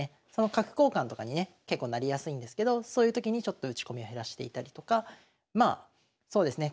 角交換とかにね結構なりやすいんですけどそういうときにちょっと打ち込みを減らしていたりとかまあそうですね